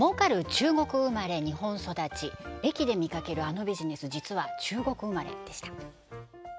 中国生まれ日本育ち駅で見かけるあのビジネス実は中国生まれでした